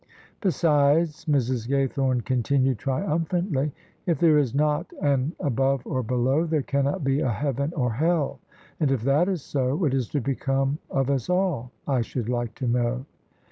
" Besides," Mrs. Gaythome continued, triumphantly, " if there is not an above or below, there cannot be a Heaven or Hell: and if that is so, what is to become of us all, I should like to know?